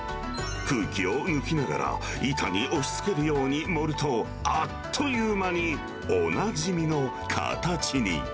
空気を抜きながら、板に押しつけるように盛ると、あっという間におなじみの形に。